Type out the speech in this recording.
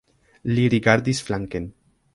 Li rigardis flanken.